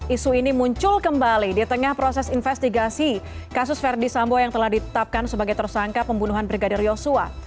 isu ini muncul kembali di tengah proses investigasi kasus verdi sambo yang telah ditetapkan sebagai tersangka pembunuhan brigadir yosua